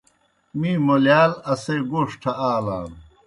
می مولِیال اسے گوݜٹھہ آلان۔